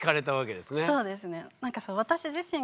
そうですね。